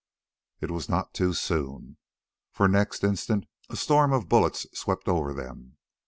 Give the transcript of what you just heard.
It was not too soon, for next instant a storm of bullets swept over them.